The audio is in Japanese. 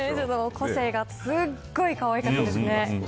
個性がすごい可愛かったですね。